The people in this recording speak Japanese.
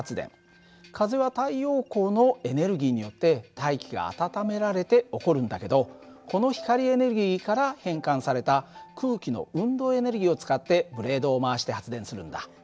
風は太陽光のエネルギーによって大気が暖められて起こるんだけどこの光エネルギーから変換された空気の運動エネルギーを使ってブレードを回して発電するんだ。